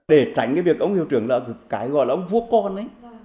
để tránh cái việc ông hiệu trưởng là cái gọi là ông vua con ấy